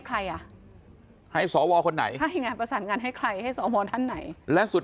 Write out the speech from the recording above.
ใครอ่ะให้สวคนไหนใช่ไงประสานงานให้ใครให้สวท่านไหนและสุด